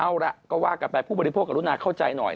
เอาล่ะก็ว่ากันไปผู้บริโภคกรุณาเข้าใจหน่อย